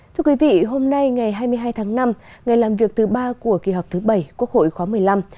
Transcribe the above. thưa quý vị hôm nay ngày hai mươi hai tháng năm ngày làm việc thứ ba của kỳ họp thứ bảy quốc hội khóa một mươi năm